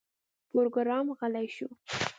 پروګرامر غلی شو